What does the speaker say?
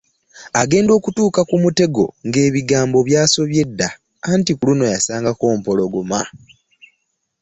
Agenda okutuuka ku mutego ng'ebigambo byasobye dda anti ku luno yasangako mpologoma!